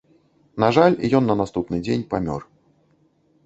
На жаль, ён на наступны дзень памёр.